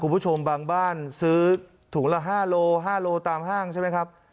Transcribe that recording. คุณผู้ชมบางบ้านซื้อถุงละ๕โล๕โลตามห้างใช่ไหมครับ